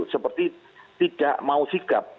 seperti tidak mau sikap